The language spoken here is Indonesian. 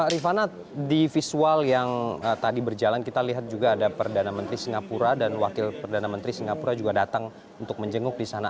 rifana di visual yang tadi berjalan kita lihat juga ada perdana menteri singapura dan wakil perdana menteri singapura juga datang untuk menjenguk di sana